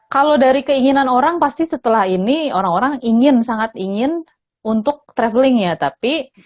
kalau dari keinginan orang pasti setelah ini orang orang ingin sangat ingin untuk traveling ya tapi